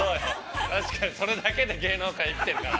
◆確かに、それだけで芸能界生きてるから。